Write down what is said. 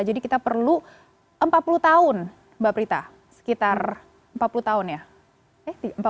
jadi kita perlu empat puluh tahun mbak prita sekitar empat puluh tahun ya